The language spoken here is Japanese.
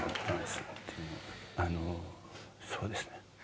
あのそうですね。